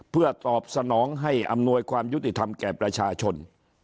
เพื่อตอบสนองให้อำนวยความยุติธรรมแก่ประชาชน